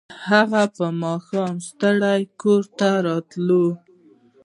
هغه به ماښام ستړی کور ته راتلو